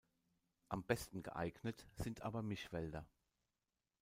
Am besten geeignet sind aber Mischwälder.